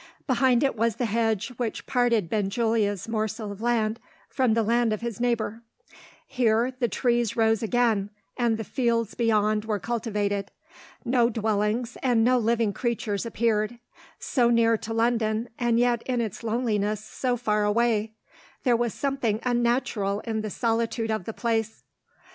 Behind it was the hedge which parted Benjulia's morsel of land from the land of his neighbour. Here, the trees rose again, and the fields beyond were cultivated. No dwellings, and no living creatures appeared. So near to London and yet, in its loneliness, so far away there was something unnatural in the solitude of the place.